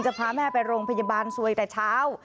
พาแม่ไปโรงพยาบาลสวยแต่เช้า